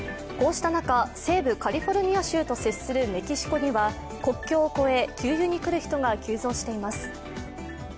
こうした中、西部カリフォルニア州と接するメキシコには国境を越え、給油に来る人が急増しています。